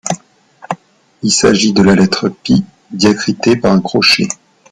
Il s'agit de la lettre П, diacritée par un crochet.